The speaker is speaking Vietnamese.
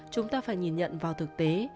chúng ta phải nhìn nhận vào thực tế